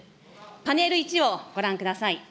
パネル１をご覧ください。